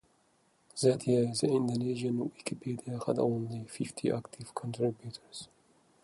That year, the Indonesian Wikipedia had only fifty active contributors.